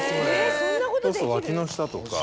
そうすると脇の下とか。